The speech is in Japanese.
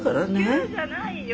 ☎急じゃないよ！